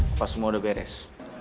apa semua sudah beres